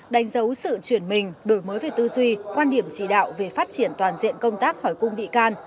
đánh dấu sự chuyển mình đổi mới về tư duy quan điểm chỉ đạo về phát triển toàn diện công tác hỏi cung bị can